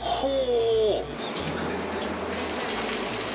お！